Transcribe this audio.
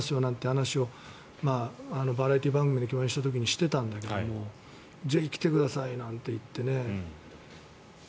話をバラエティー番組で共演した時にしてたんだけどぜひ、来てくださいなんて言ってね。